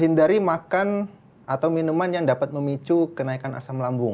hindari makan atau minuman yang dapat memicu kenaikan asam lambung